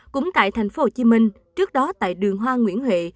cũng tại thành phố hồ chí minh trước đó tại đường hoa nguyễn huệ